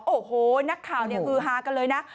โอ้โหนักข่าวเนี่ยฮือฮากันเลยนะ